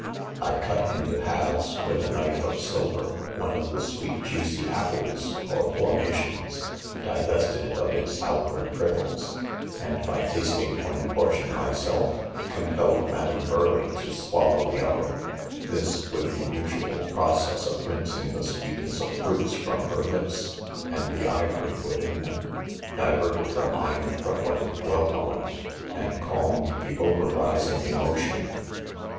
." I cut into halves, with a knife ."of silver, one of the sweet juicy apples or formations, divested it of dts outward prickles, and by tas ting one :: ^ortioni myself, compelled. Madame Burleigh. %6 /swallow ■■: the other. ■' ^?Ms, with the usual process of. rinsing, the sweetness of fruits from her. lips, and the ivory within them, diverted her mind! from what it dwelt on,, and calmed the over rising emotion.